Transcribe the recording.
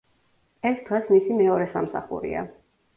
ეს დღეს მისი მეორე სამსახურია.